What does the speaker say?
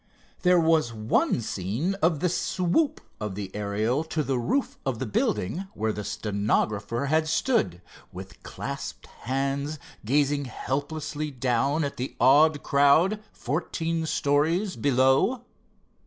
There was one scene of the swoop of the Ariel to the roof of the building where the stenographer had stood, with clasped hands gazing helplessly down at the awed crowd, fourteen stories below.